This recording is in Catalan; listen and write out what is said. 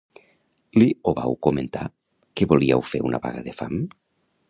Li ho vau comentar, que volíeu fer una vaga de fam?